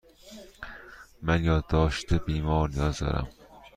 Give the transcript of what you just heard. من یادداشت بیمار نیاز دارم.